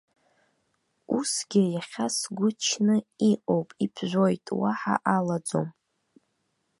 Усгьы иахьа сгәы чны иҟоуп, иԥжәоит, уаҳа алаӡом!